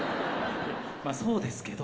まぁそうですけど。